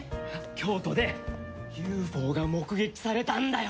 京都でＵＦＯが目撃されたんだよ！